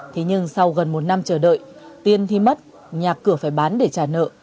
thế nhưng sau gần một năm chờ đợi tiên thì mất nhà cửa phải bán để trả nợ